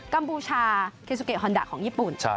ัมพูชาคิซูเกะฮอนดาของญี่ปุ่น